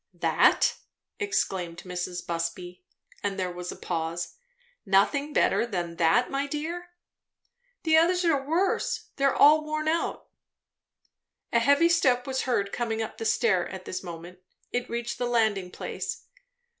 "That?" exclaimed Mrs. Busby; and there was a pause. "Nothing better than that, my dear?" "The others are worse. They are all worn out." A heavy step was heard coming up the stair at this moment. It reached the landing place.